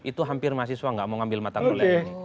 itu hampir mahasiswa gak mau ngambil mata kuliah